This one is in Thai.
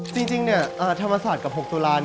จริงเนี่ยธรรมศาสตร์กับโฮคตุลา